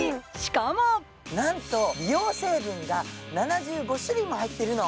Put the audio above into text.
なんと美容成分が７５種類も入ってるの。